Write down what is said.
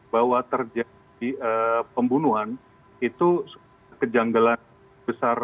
bahwa terjadi pembunuhan itu kejanggalan besar